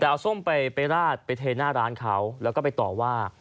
แต่เอาส้มไปราดไปเทหน้าร้านเขาแล้วก็ไปต่อว่า